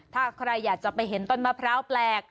ถ้าใครอยากจะไปเห็นต้นมะพร้าวแปลก